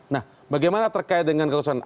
nah bagaimana terkait dengan keputusan